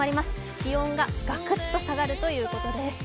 気温ががくっと下がるということです。